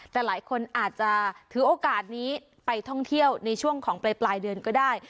แต่หลายคนอาจจะถือโอกาสนี้ไปท่องเที่ยวในช่วงของปลายเดือนก็ได้